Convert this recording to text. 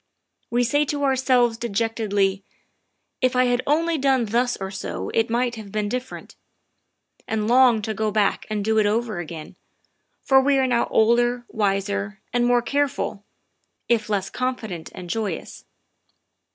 We say to ourselves de jectedly, " If I had only done thus or so it might have been different," and long to go back and do it over again, for we are now older, wiser, and more careful, if less confident and joyous.